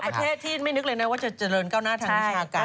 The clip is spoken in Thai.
ประเทศที่ไม่นึกเลยนะว่าจะเจริญก้าวหน้าทางวิชาการ